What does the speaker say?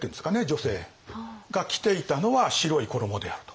女性が着ていたのは白い衣であると。